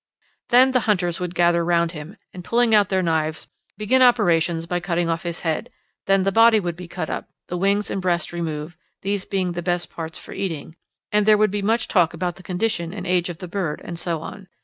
Then the hunters would gather round him, and pulling out their knives begin operations by cutting off his head; then the body would be cut up, the wings and breast removed, these being the best parts for eating, and there would be much talk about the condition and age of the bird, and so on.